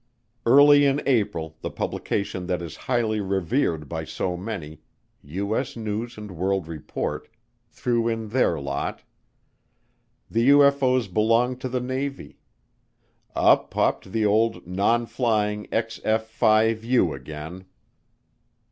Early in April the publication that is highly revered by so many, U.S. News and World Report, threw in their lot. The UFO's belonged to the Navy. Up popped the old non flying XF 5 U again.